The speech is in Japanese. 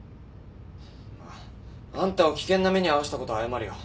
まああんたを危険な目に遭わしたことは謝るよ。